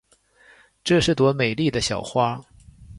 这是朵美丽的小花。